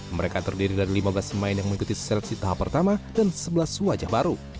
mereka terdiri dari lima belas pemain yang mengikuti seleksi tahap pertama dan sebelas wajah baru